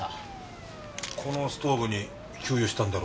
このストーブに給油したんだろうな。